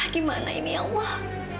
gimana ini allah